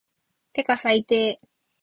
てか最低